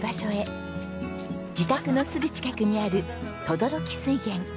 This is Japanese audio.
自宅のすぐ近くにある轟水源。